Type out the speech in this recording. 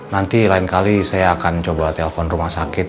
nanti lain kali saya akan coba telepon rumah sakit